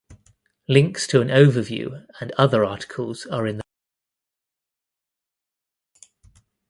Links to an overview and other articles are in the following panel.